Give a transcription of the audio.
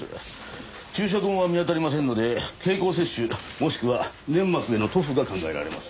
注射痕は見つかりませんので経口摂取もしくは粘膜への塗布が考えられます。